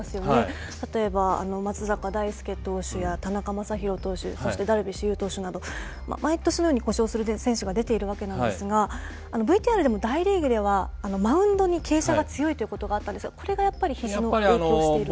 例えば松坂大輔投手や田中将大投手そしてダルビッシュ有投手など毎年のように故障する選手が出ているわけなんですがＶＴＲでも大リーグではマウンドに傾斜が強いということがあったんですがこれがやっぱりひじに影響している？